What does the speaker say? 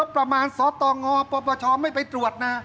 ประมาณสตงปปชไม่ไปตรวจนะ